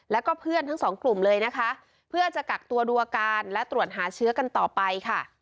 และเพื่อนทั้ง๒กลุ่มเลยเพื่อจะกักตัวดัวการและตรวจหาเชื้อกันต่อไป